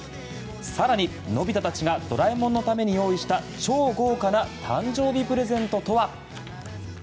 更に、のび太たちがドラえもんのために用意した超豪華な誕生日プレゼントとは？